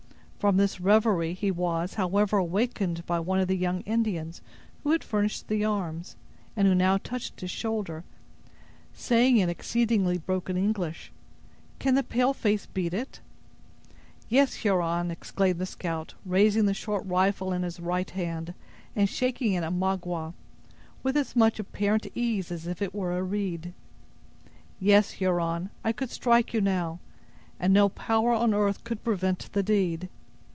From this reverie, he was, however, awakened by one of the young Indians who had furnished the arms, and who now touched his shoulder, saying in exceedingly broken English: "Can the pale face beat it?" "Yes, Huron!" exclaimed the scout, raising the short rifle in his right hand, and shaking it at Magua, with as much apparent ease as if it were a reed; "yes, Huron, I could strike you now, and no power on earth could prevent the deed!